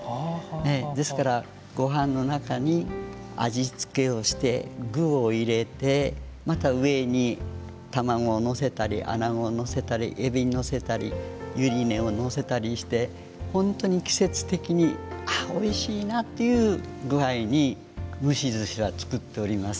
ですからごはんの中に味付けをして具を入れてまた上に卵をのせたりアナゴをのせたりエビのせたりユリネをのせたりして本当に季節的に「あっおいしいな」という具合に蒸しずしは作っております。